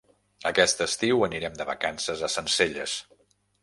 Aquest estiu anirem de vacances a Sencelles.